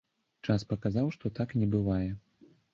Час паказаў, што так не бывае.